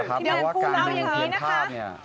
แต่ว่าการดูเมื่อเกลียนภาพเนี่ย